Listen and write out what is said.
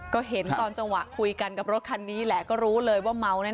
ก็เห็นตอนจังหวะคุยกันกับรถคันนี้แหละก็รู้เลยว่าเมาแน่